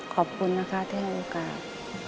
ขอบคุณนะคะที่ให้โอกาส